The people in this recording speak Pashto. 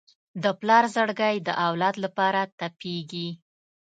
د پلار زړګی د اولاد لپاره تپېږي.